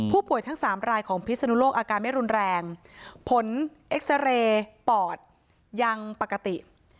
ทั้งสามรายของพิศนุโลกอาการไม่รุนแรงผลเอ็กซาเรย์ปอดยังปกติ